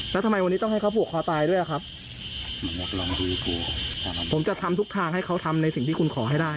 แล้วทำไมวันนี้ต้องให้เขาผูกคอตายด้วยอ่ะครับผมจะทำทุกทางให้เขาทำในสิ่งที่คุณขอให้ได้